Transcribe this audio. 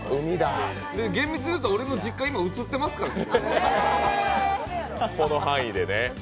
厳密に言うと俺の実家今、映ってますからね。